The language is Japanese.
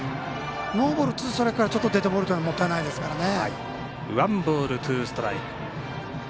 ノーボールツーストライクからデッドボールはもったいないですね。